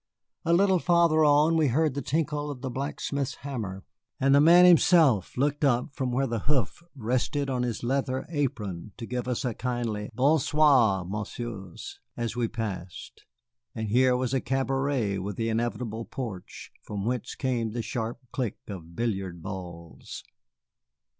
A little farther on we heard the tinkle of the blacksmith's hammer, and the man himself looked up from where the hoof rested on his leather apron to give us a kindly "Bon soir, Messieurs," as we passed. And here was a cabaret, with the inevitable porch, from whence came the sharp click of billiard balls.